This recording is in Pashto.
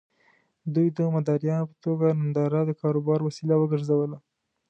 دوی د مداريانو په توګه ننداره د کاروبار وسيله وګرځوله.